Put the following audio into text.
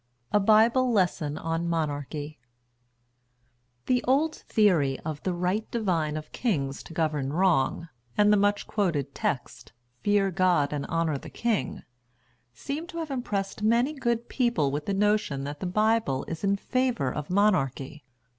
A BIBLE LESSON ON MONARCHY (1876.) The old theory of "The right divine of kings to govern wrong," and the much quoted text, "Fear God and honor the king," seem to have impressed many good people with the notion that the Bible is in favor of monarchy.